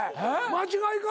間違いか？